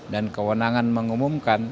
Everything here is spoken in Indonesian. dan kewenangan mengumumkan